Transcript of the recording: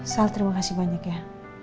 sal terima kasih banyak ya